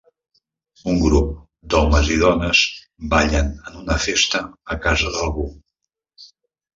Un grup d'homes i dones ballen en una festa a casa d'algú.